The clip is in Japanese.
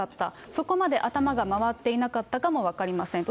そこまで頭が回っていなかったかもわかりませんと。